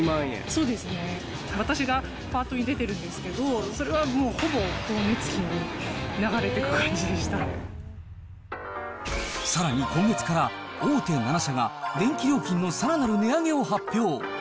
そうですね、私がパートに出てるんですけど、それはもうほぼ光熱費の分に流れさらに今月から大手７社が電気料金のさらなる値上げを発表。